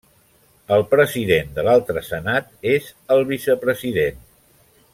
El president de l'altre senat és el vicepresident.